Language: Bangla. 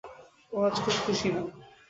ও আজ খুব খুশি না!